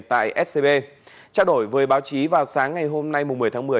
trao đổi với báo chí vào sáng ngày hôm nay mùng một mươi tháng một mươi